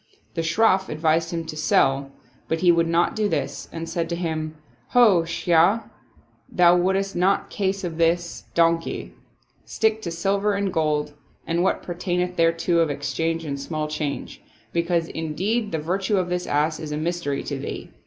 The Shroff advised him to sell, but he would not do this and said to him, "Ho, shaykh! Thou wottest not the case of this 91 Oriental Mystery Stories donkey. Stick to silver and gold and what pertaineth thereto of exchange and small change; because indeed the virtue of this ass is a mystery to thee.